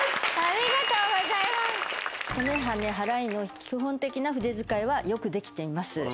トメハネ払いの基本的な筆遣いはよくできています。